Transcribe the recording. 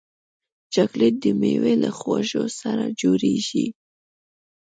چاکلېټ د میوو له خوږو سره جوړېږي.